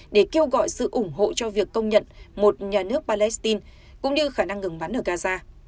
để kêu gọi sự ủng hộ cho việc công nhận một nhà nước palestine cũng như khả năng ngừng bắn ở gaza